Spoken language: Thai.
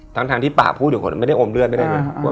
ทั้งทางที่ปากพูดอ่ะไม่ได้อมเลือดไม่ได้ด้วย